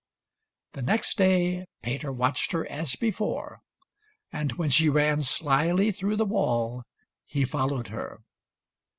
The next day Peter watched her as before, and when she ran slyly through the wall he followed her.